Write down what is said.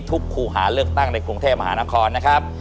ครูหาเลือกตั้งในกรุงเทพมหานครนะครับ